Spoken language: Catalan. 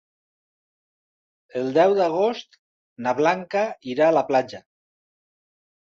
El deu d'agost na Blanca irà a la platja.